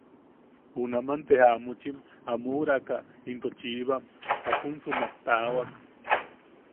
Junaman te jaamuchim am uʼuraka into chibam, jaksumak taawak.